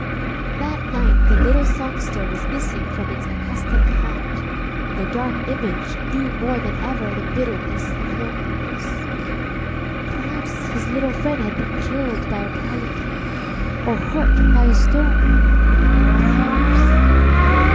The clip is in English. That night the little songster was missing from its accustomed haunt, and the Dark Image knew more than ever the bitterness of loneliness. Perhaps his little friend had been killed by a prowling cat or hurt by a stone. Perhaps